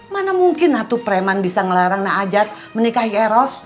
mana mungkin satu pereman bisa ngelarang najat menikahi eros